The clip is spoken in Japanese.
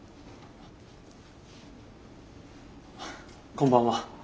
こんばんは。